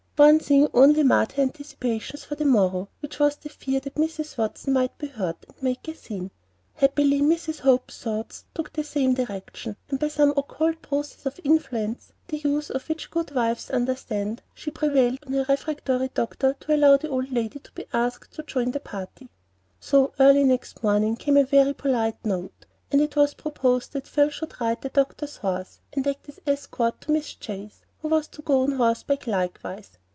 One thing only marred her anticipations for the morrow, which was the fear that Mrs. Watson might be hurt, and make a scene. Happily, Mrs. Hope's thoughts took the same direction; and by some occult process of influence, the use of which good wives understand, she prevailed on her refractory doctor to allow the old lady to be asked to join the party. So early next morning came a very polite note; and it was proposed that Phil should ride the doctor's horse, and act as escort to Miss Chase, who was to go on horseback likewise.